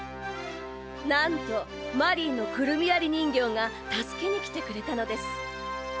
なんとマリーのくるみわり人形が助けにきてくれたのです。